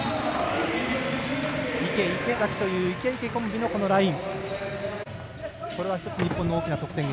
池、池崎というイケ・イケコンビのこのライン。